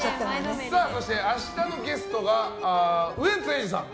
そして明日のゲストがウエンツ瑛士さん。